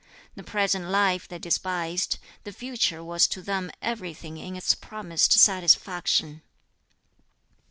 The present life they despised, the future was to them everything in its promised satisfaction.